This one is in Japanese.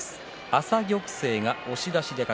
朝玉勢が押し出し。